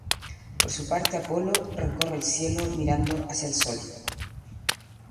Por su parte Apolo, recorre el cielo mirando hacia el sol.